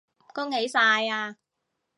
恭喜晒呀